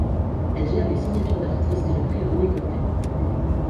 Elle gère les signatures d'artistes et le prix René Cottet.